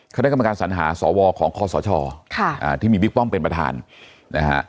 คณะกรรมการสัญหาสวของคศที่มีบิ๊กป้อมเป็นประธานนะฮะ